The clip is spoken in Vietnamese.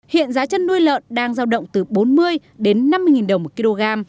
hiện giá chăn nuôi lợn đang giao động từ bốn mươi đến năm mươi đồng một kg